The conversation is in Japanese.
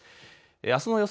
あすの予想